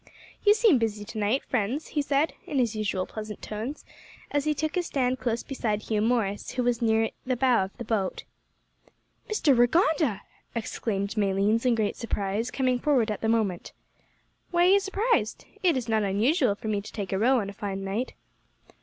"You seem busy to night, friends," he said, in his usual pleasant tones, as he took his stand close beside Hugh Morris, who was near the bow of the boat. "Mr Rigonda!" exclaimed Malines in great surprise, coming forward at the moment. "Why are you surprised? It is not unusual for me to take a row on a fine night."